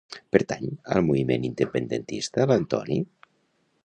Pertany al moviment independentista l'Antoni?